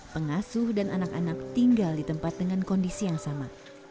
pengasuh dan anak anak tinggal di tempat dengan kondisi yang sama